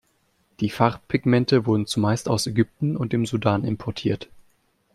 Die Farbpigmente wurden zumeist aus Ägypten und dem Sudan importiert.